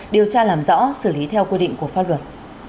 điều tra làm rõ xử lý theo quy định của pháp luật